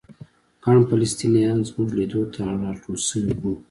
ګڼ فلسطینیان زموږ لیدو ته راټول شوي وو.